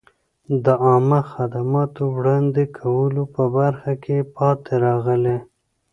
د عامه خدماتو وړاندې کولو په برخه کې پاتې راغلي.